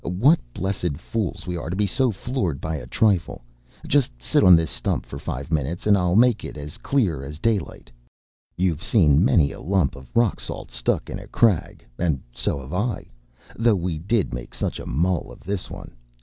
What blessed fools we are to be so floored by a trifle! Just sit on this stump for five minutes, and I’ll make it as clear as daylight. You’ve seen many a lump of rock salt stuck in a crag, and so have I, though we did make such a mull of this one.